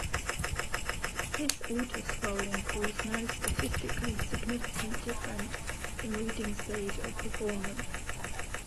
This auto-scrolling caused no statistically significant difference in reading speed or performance.